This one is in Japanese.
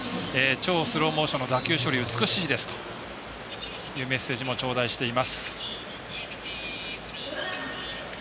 超スローモーションの打球処理美しいです！というメッセージも頂戴しています。